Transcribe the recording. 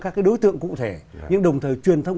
các đối tượng cụ thể nhưng đồng thời truyền thông